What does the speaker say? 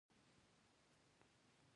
دا پرېکړه به تر ټولو معقوله وي.